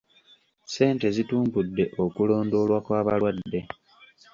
Ssente zitumbudde okulondoolwa kw'abalwadde.